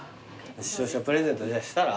視聴者プレゼントしたら？